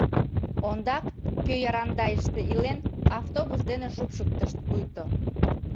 Ондак кӧ Ярандайыште илен — автобус дене шупшыктышт пуйто...